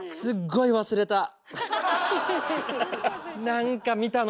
何か見たの。